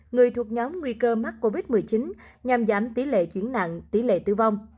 người thuộc nhóm nguy cơ mắc covid một mươi chín nhằm giảm tỷ lệ chuyển nặng tỷ lệ tử vong